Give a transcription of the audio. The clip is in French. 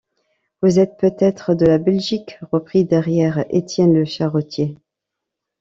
Vous êtes peut-être de la Belgique? reprit derrière Étienne le charretier